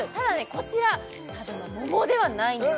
こちらただの桃ではないんです